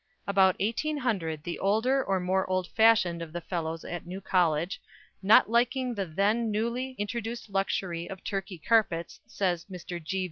About 1800 the older or more old fashioned of the Fellows at New College, "not liking the then newly introduced luxury of Turkey carpets," says Mr. G.